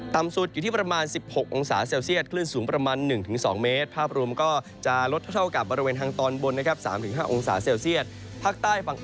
ตามสุดอยู่ที่ประมาณ๑๖องศาเซลเซียต